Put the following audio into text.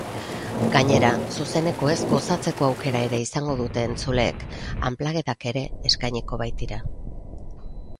Gainera zuzenekoez gozatzeko aukera ere izango dute entzuleek unplugged-ak ere eskainiko baitira.